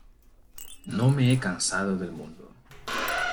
No me he cansado del mundo.